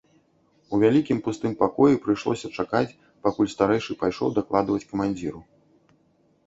У вялікім пустым пакоі прыйшлося чакаць, пакуль старэйшы пайшоў дакладваць камандзіру.